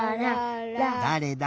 だれだ？